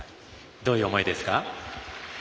どういう思いですか？